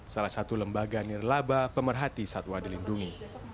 salah satu lembaga nirlaba pemerhati satwa dilindungi